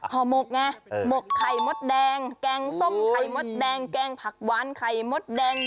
ห่อหมกไงหมกไข่มดแดงแกงส้มไข่มดแดงแกงผักหวานไข่มดแดง